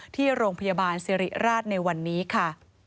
ที่โรงพยาบาลสิริราชในวันนี้ค่ะ